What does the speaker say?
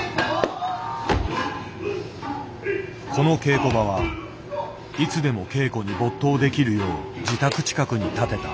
この稽古場はいつでも稽古に没頭できるよう自宅近くに建てた。